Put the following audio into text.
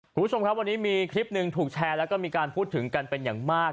คุณผู้ชมครับวันนี้มีคลิปหนึ่งถูกแชร์แล้วก็มีการพูดถึงกันเป็นอย่างมาก